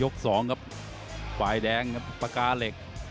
ยกสองหวายแดงปากกาเหล็ก